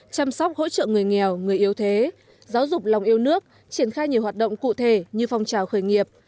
chăm sóc hỗ trợ người nghèo người yếu thế giáo dục lòng yêu nước triển khai nhiều hoạt động cụ thể như phong trào khởi nghiệp